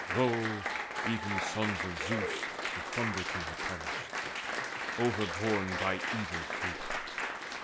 Lo, even sons of Zeus, The Thunder king, have perished, overborne By evil fate.